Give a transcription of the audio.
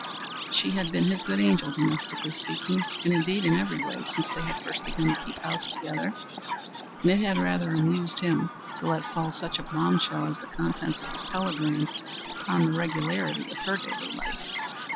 She had been his good angel, domestically speaking, and, indeed, in every way, since they had first begun to keep house together, and it had rather amused him to let fall such a bombshell as the contents of his telegram upon the regularity of her daily life.